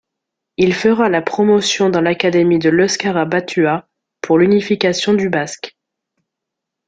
Il fera la promotion dans l'Académie de l'euskara batua, pour l'unification du basque.